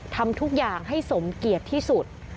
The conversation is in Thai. ทำทุกอย่างให้สมเกียรติที่สุด